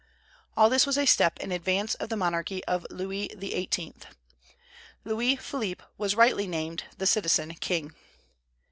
All this was a step in advance of the monarchy of Louis XVIII. Louis Philippe was rightly named "the citizen king."